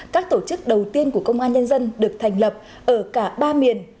các tổ chức đầu tiên của công an nhân dân được thành lập ở cả ba miền